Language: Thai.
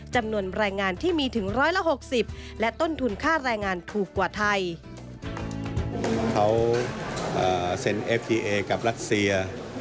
จำนวนรายงานที่มีถึง๑๖๐และต้นทุนค่ารายงานถูกกว่าไทย